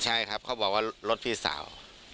ใช่ครับเขาบอกว่ารถพี่สาว